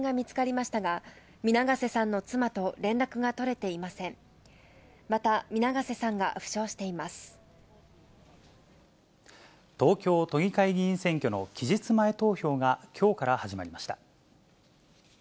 また、東京都議会議員選挙の期日前投票がきょうから始まりました。